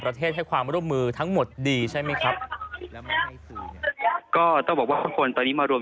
ประเทศให้ความร่วมมือทั้งหมดดีใช่ไหมครับก็ต้องบอกว่าคนคนตอนนี้มารวม